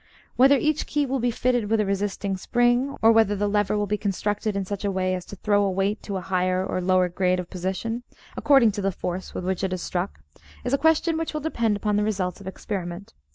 Whether each key will be fitted with a resisting spring, or whether the lever will be constructed in such a way as to throw a weight to a higher or lower grade of position, according to the force with which it is struck, is a question which will depend upon the results of experiment.